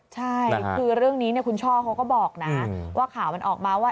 ใช่คือเรื่องนี้คุณช่อเขาก็บอกนะว่าข่าวมันออกมาว่า